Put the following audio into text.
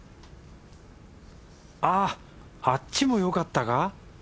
あっあっちもよかったか？